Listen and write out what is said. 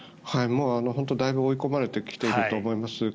だいぶ追い込まれてきていると思います。